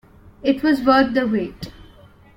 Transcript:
It was worth the wait.